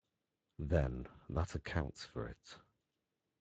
Then that accounts for it.